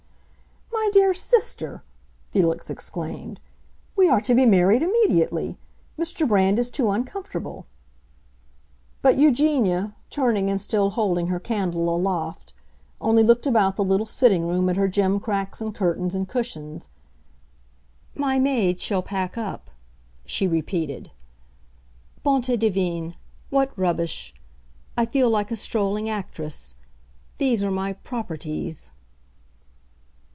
"My dear sister," Felix exclaimed, "we are to be married immediately! Mr. Brand is too uncomfortable." But Eugenia, turning and still holding her candle aloft, only looked about the little sitting room at her gimcracks and curtains and cushions. "My maid shall pack up," she repeated. "Bonté divine, what rubbish! I feel like a strolling actress; these are my 'properties.